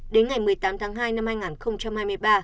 đến ngày một mươi tám tháng hai năm hai nghìn hai mươi ba